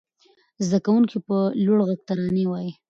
زده کوونکي په لوړ غږ ترانې وايي.